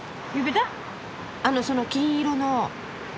あのその金色の。